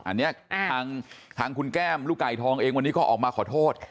อันนี้ทางคุณแก้มลูกไก่ทองเองวันนี้ก็ออกมาขอโทษ